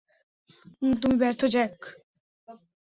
তুমি ব্যর্থ, জ্যাক।